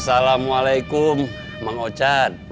assalamualaikum mang ocat